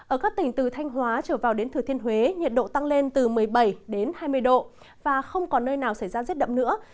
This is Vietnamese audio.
ở các tỉnh từ thanh hóa trở vào đến thừa thiên huế nhiệt độ tăng lên từ một mươi bảy đến hai mươi độ và không còn nơi nào xảy ra rét đậm nữa